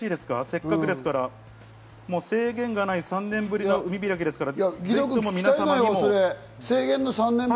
せっかくですから制限がない、３年ぶりの海開きですから。